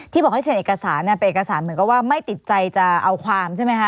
บอกให้เซ็นเอกสารเป็นเอกสารเหมือนกับว่าไม่ติดใจจะเอาความใช่ไหมคะ